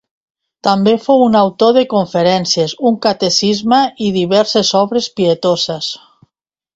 També fou autor de conferències, un catecisme i diverses obres pietoses.